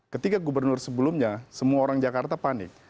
ketika gubernur sebelumnya semua orang jakarta panik